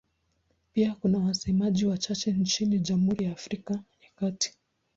Pia kuna wasemaji wachache nchini Jamhuri ya Afrika ya Kati.